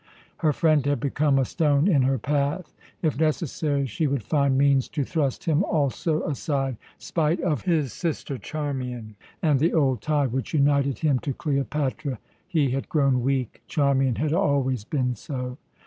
Her friend had become a stone in her path. If necessary, she would find means to thrust him also aside, spite of his sister Charmian and the old tie which united him to Cleopatra. He had grown weak, Charmian had always been so.